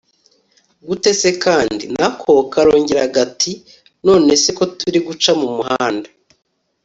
gute se kandi! nako karongera gati nonese ko turimo guca mumuhanda